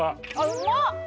うまっ！